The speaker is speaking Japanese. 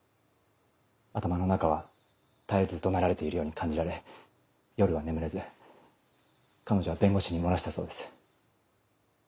頭の中は絶えず怒鳴られているように感じられ夜は眠れず彼女は弁護士に漏らしたそうです。